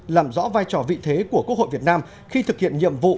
làm rõ vai trò vị thế của quốc hội việt nam khi thực hiện nhiệm vụ